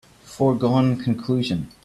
Foregone conclusion